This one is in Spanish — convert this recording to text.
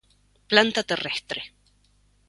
Planta terrestre.